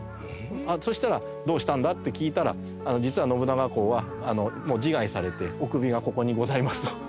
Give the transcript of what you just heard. そしたらどうしたんだ？って聞いたら実は信長公はもう自害されてお首がここにございますと。